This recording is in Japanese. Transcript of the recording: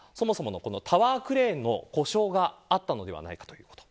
タワークレーンの故障があったのではないかということ。